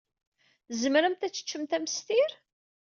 Tzemremt ad teččemt amestir?